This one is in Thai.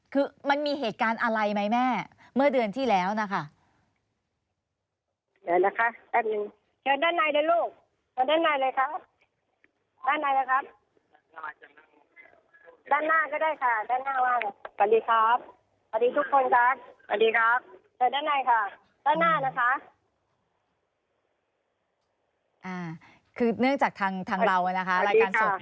คือเนื่องจากทางเรานะคะรายการสด